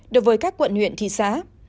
đối với các quận huyện thị xá